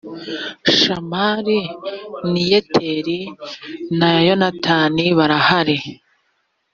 shamayi ni yeteri na yonatani barahari